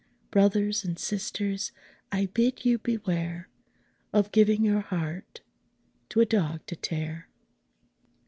Brothers and sisters, I bid you beware Of giving your heart to a dog to tear.